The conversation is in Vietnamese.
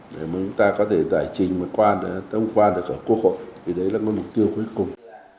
để mà chúng ta có thể giải trình và tâm quan được ở quốc hội vì đấy là mục tiêu cuối cùng